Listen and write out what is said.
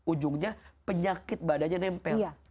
ujungnya penyakit badannya nempel